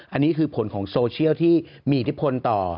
อันนี้คือผลของโซเชียลที่มีอิทธิพลต่อ